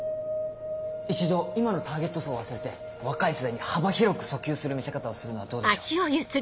一度今のターゲット層を忘れて若い世代に幅広く訴求する見せ方をするのはどうでしょう？